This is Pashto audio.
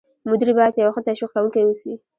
مدیر باید یو ښه تشویق کوونکی واوسي.